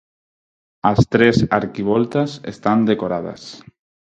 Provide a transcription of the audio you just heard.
As tres arquivoltas están decoradas.